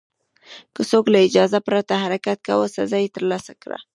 که څوک له اجازې پرته حرکت کاوه، سزا یې ترلاسه کړه.